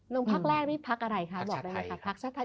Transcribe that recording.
ลงพักแรกนี่พักอะไรคะบอกได้ไหมคะพักชาติไทย